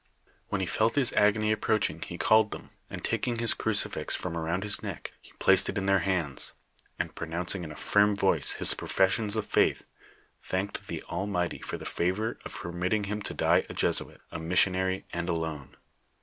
When lie felt his agony approaching he called them, and taking his crucifix fioui around his neck, he placed it in their hands, and pro nouncing in a firm voice his profession of faith, thanked thp Almighty for the favor of permitting him to die a Jesuit, a missionary and alone.